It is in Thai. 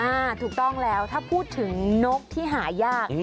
ถูกต้องแล้วถ้าพูดถึงนกที่หายาก